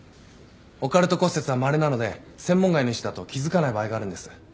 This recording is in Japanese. オカルト骨折はまれなので専門外の医師だと気付かない場合があるんです。